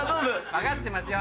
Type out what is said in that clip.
分かってますよ。